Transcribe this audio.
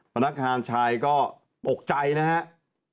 พนักงานชายก็ตกใจนะครับ